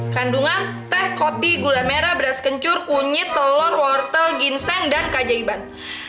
kandungan teh kopi gula merah beras kencur kunyit telur wortel ginseng dan kajaiban